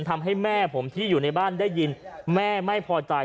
ทำให้แม่ผมที่อยู่ในบ้านได้ยินแม่ไม่พอใจ